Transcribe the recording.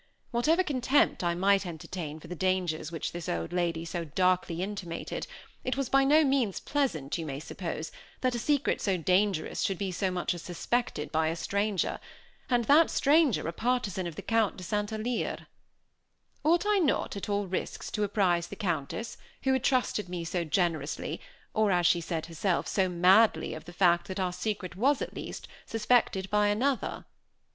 Whatever contempt I might entertain for the dangers which this old lady so darkly intimated, it was by no means pleasant, you may suppose, that a secret so dangerous should be so much as suspected by a stranger, and that stranger a partisan of the Count de St. Alyre. Ought I not, at all risks, to apprise the Countess, who had trusted me so generously, or, as she said herself, so madly, of the fact that our secret was, at least, suspected by another?